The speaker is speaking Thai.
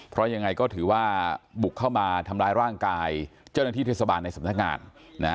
เพราะยังไงก็ถือว่าบุกเข้ามาทำร้ายร่างกายเจ้าหน้าที่เทศบาลในสำนักงานนะฮะ